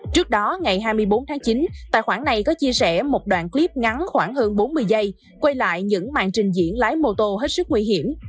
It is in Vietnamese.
trước đó ngày hai mươi bốn tháng chín tài khoản này có chia sẻ một đoạn clip ngắn khoảng hơn bốn mươi giây quay lại những mạng trình diễn lái mô tô hết sức nguy hiểm